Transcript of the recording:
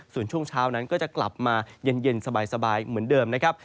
ส่วนช่วงเช้านั้นก็จะกลับมาเย็นสบายเหมือนเดิมนะครับ